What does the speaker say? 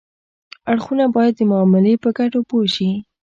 اړخونه باید د معاملې په ګټو پوه شي